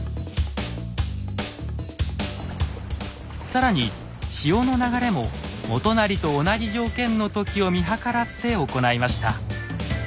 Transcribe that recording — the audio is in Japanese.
更に潮の流れも元就と同じ条件の時を見計らって行いました。